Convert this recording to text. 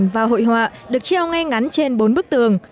và hội họa được treo ngay ngắn trên bốn bức tường